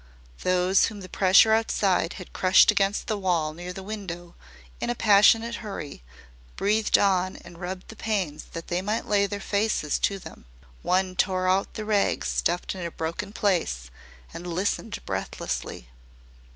Those whom the pressure outside had crushed against the wall near the window in a passionate hurry, breathed on and rubbed the panes that they might lay their faces to them. One tore out the rags stuffed in a broken place and listened breathlessly.